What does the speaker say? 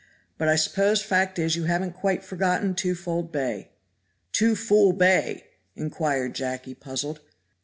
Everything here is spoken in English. But I suppose fact is you haven't quite forgotten Twofold Bay." "Two fool bay!" inquired Jacky, puzzled.